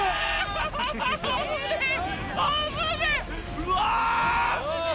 ・うわ！